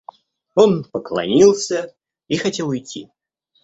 Он поклонился и хотел уйти.